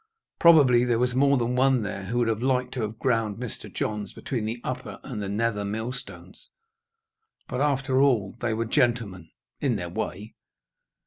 Probably there was more than one there who would have liked to have ground Mr. Johns between the upper and the nether millstones. But, after all, they were gentlemen in their way.